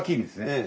ええ。